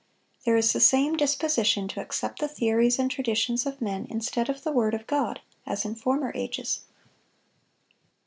There is the same disposition to accept the theories and traditions of men instead of the word of God as in former ages.